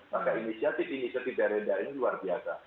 maka inisiatif inisiatif daerah daerah ini luar biasa